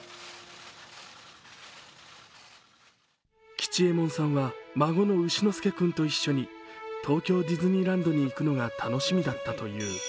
吉右衛門さんは孫の丑之助君と一緒に東京ディズニーランドに行くのが楽しみだったという。